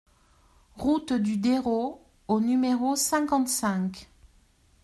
Route du Dérot au numéro cinquante-cinq